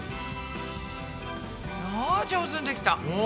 あ上手にできた！